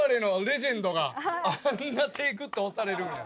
あんな手ぇぐっと押されるんや。